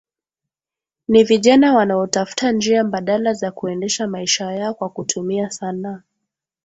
Ni vijana wanaotafuta njia mbadala za kuendesha maisha yao kwa kutumia sanaa